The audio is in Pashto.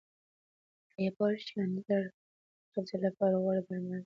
آیا پوهېږئ چې انځر د قبضیت لپاره غوره درمل دي؟